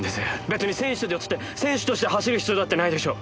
別に選手として選手として走る必要だってないでしょう！